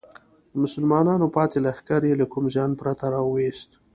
د مسلمانانو پاتې لښکر یې له کوم زیان پرته راوویست.